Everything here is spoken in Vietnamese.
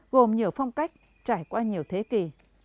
gồm nhiều phong cách trải qua nhiều thế kỷ